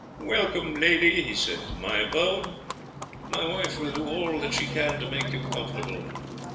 "Welcome, lady," he said, "to my abode. My wife will do all that she can to make you comfortable."